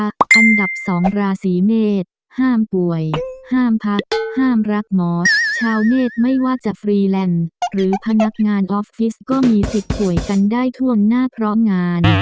อันดับ๒ราศีเมษห้ามป่วยห้ามพักห้ามรักหมอชาวเมษไม่ว่าจะฟรีแลนด์หรือพนักงานออฟฟิศก็มีสิทธิ์ป่วยกันได้ท่วงหน้าเพราะงาน